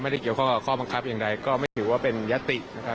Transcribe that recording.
ไม่ได้เกี่ยวข้องกับข้อบังคับอย่างใดก็ไม่ถือว่าเป็นยตินะครับ